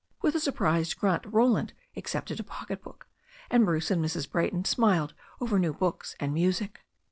With a surprised grunt Roland accepted a pocket book, and Bruce and Mrs. Bra)rton smiled over new books and music.